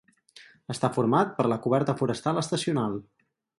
Està format per la coberta forestal estacional.